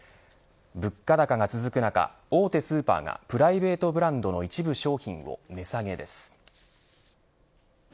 物価高が続く中大手スーパーがプライベートブランドの一部商品を値下げです。